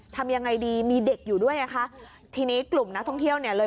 ทำยังไงดีมีเด็กอยู่ด้วยไงคะทีนี้กลุ่มนักท่องเที่ยวเนี่ยเลย